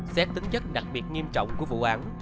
xét tính chất đặc biệt nghiêm trọng của vụ án